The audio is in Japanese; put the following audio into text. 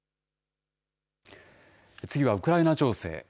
次はウクライナ情勢。